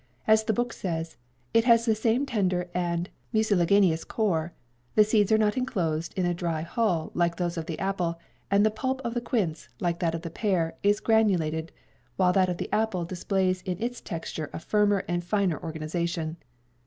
As the book says, 'it has the same tender and mucilaginous core; the seeds are not enclosed in a dry hull, like those of the apple; and the pulp of the quince, like that of the pear, is granulated, while that of the apple displays in its texture a firmer and finer organization.'